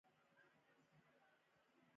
ازادي راډیو د اقلیم د تحول لړۍ تعقیب کړې.